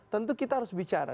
tentu kita harus bicara